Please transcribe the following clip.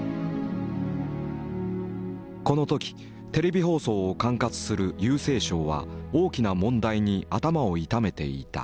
この時テレビ放送を管轄する郵政省は大きな問題に頭を痛めていた。